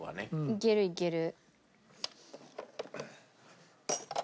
いけるいける。